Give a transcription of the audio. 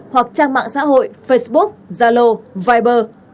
hoặc trang mạng xã hội facebook zalo viber